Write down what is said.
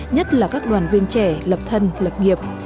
nhất là các đoàn viên trẻ lập thân lập nghiệp